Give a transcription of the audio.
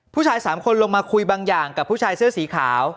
ผู้ชาย๓คนลงมาคุยบางอย่างกับผู้ชายเสื้อสีขาว